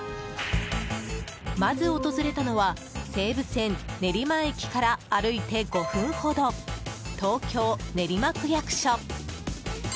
まず訪れたのは西武線練馬駅から歩いて５分ほど東京・練馬区役所。